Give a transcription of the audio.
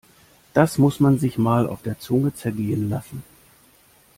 Das muss man sich mal auf der Zunge zergehen lassen!